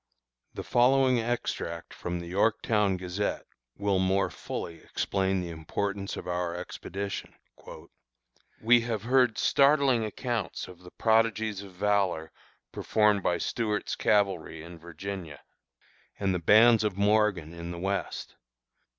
The following extract from the Yorktown Gazette will more fully explain the importance of our expedition: "We have heard startling accounts of the prodigies of valor performed by Stuart's Cavalry in Virginia, and the bands of Morgan in the West.